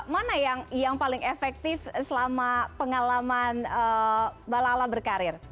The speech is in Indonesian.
mana yang paling efektif selama pengalaman mbak lala berkarir